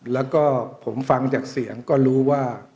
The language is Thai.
แล้วก็ผมฟังจากเสียงก็รู้ว่า